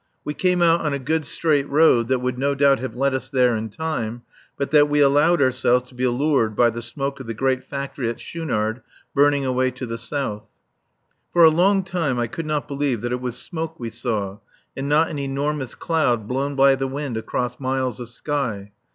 We came out on a good straight road that would no doubt have led us there in time, but that we allowed ourselves to be lured by the smoke of the great factory at Schoonard burning away to the south. For a long time I could not believe that it was smoke we saw and not an enormous cloud blown by the wind across miles of sky.